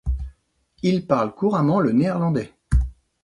Il parle couramment le néerlandais.